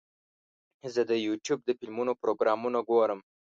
زه د یوټیوب د فلمونو پروګرامونه ګورم.